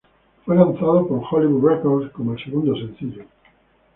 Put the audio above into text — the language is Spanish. Fue lanzado por Hollywood Records como el segundo sencillo.